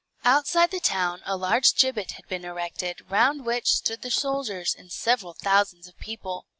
Outside the town a large gibbet had been erected, round which stood the soldiers and several thousands of people.